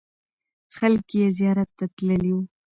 خلک یې زیارت ته تللې وو.